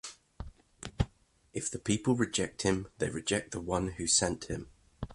If the people reject him they reject the one who sent him.